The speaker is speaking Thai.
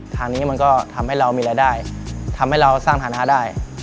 ทางนี้มันก็ทำให้เรามีรายได้ทำให้เราสร้างฐานะได้